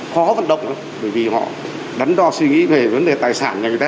không có vận động nữa bởi vì họ đắn đo suy nghĩ về vấn đề tài sản của người ta